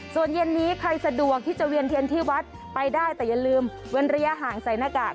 ส่วนเย็นนี้ใครสะดวกที่จะเวียนเทียนที่วัดไปได้แต่อย่าลืมเว้นระยะห่างใส่หน้ากาก